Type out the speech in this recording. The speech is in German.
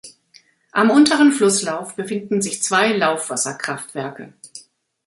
Am unteren Flusslauf befinden sich zwei Laufwasserkraftwerke.